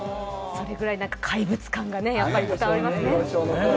それぐらい怪物感が伝わりますね。